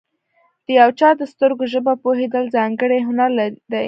د یو چا د سترګو ژبه پوهېدل، ځانګړی هنر دی.